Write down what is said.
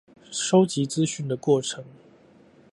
搜集資訊的過程